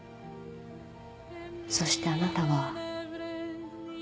そしてあなたは